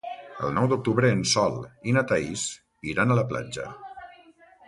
El nou d'octubre en Sol i na Thaís iran a la platja.